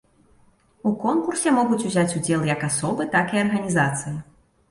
У конкурсе могуць узяць удзел як асобы, так і арганізацыі.